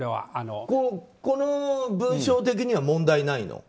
この文章的には問題ないの？